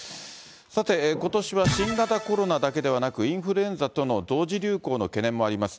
さて、ことしは新型コロナだけなく、インフルエンザとの同時流行の懸念もあります。